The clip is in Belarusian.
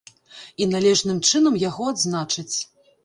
І належным чынам яго адзначаць.